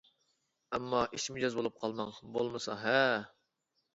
ئەمما ئىچ مىجەز بولۇپ قالماڭ، بولمىسا-ھە؟ !